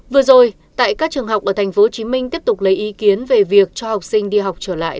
vừa rồi tại các trường học ở tp hcm tiếp tục lấy ý kiến về việc cho học sinh đi học trở lại